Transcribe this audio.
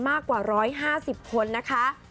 มากกว่า๑๕๐คนนะคะ